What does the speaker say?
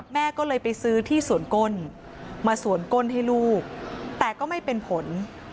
แม่ก็เลยไปซื้อที่สวนก้นมาสวนก้นให้ลูกแต่ก็ไม่เป็นผล